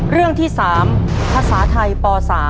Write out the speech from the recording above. เรื่องที่๓ภาษาไทยป๓